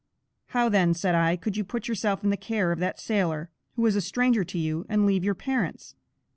"How then," said I, "could you put yourself in the care of that sailor, who was a stranger to you, and leave your parents?"